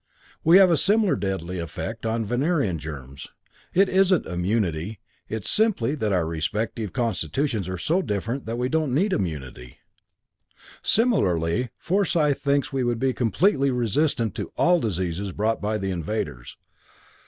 We have a similar deadly effect on Venerian germs. It isn't immunity it's simply that our respective constitutions are so different that we don't need immunity. Similarly, Forsyth thinks we would be completely resistant to all diseases brought by the invaders.